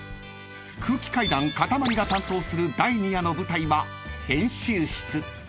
［空気階段かたまりが担当する第二夜の舞台は編集室］